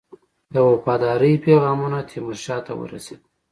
د وفاداری پیغامونه تیمورشاه ته ورسېدل.